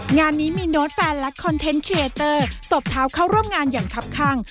งานนี้มีโน้ตแฟนและคอนเทนต์เคเตอร์ตบเท้าเข้าร่วมงานอย่างคับข้าง